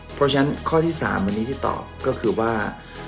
เพราะฉะนั้นข้อที่๓วันนี้ที่ตอบก็คือว่า